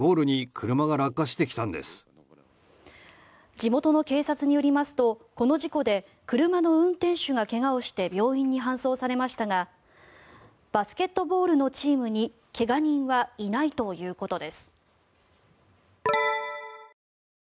地元の警察によりますとこの事故で車の運転手が怪我をして病院に搬送されましたがバスケットボールのチームに怪我人はいないということです。